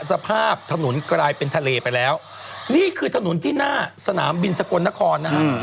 สภาพถนนกลายเป็นทะเลไปแล้วนี่คือถนนที่หน้าสนามบินสกลนครนะฮะ